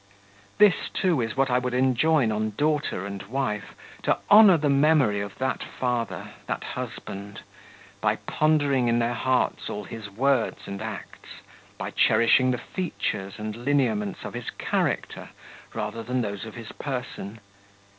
This, too, is what I would enjoin on daughter and wife, to honour the memory of that father, that husband, by pondering in their hearts all his words and acts, by cherishing the features and lineaments of his character rather than those of his person.